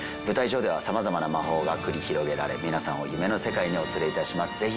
舞台上では様々な魔法が繰り広げられみなさんを夢の世界にお連れいたします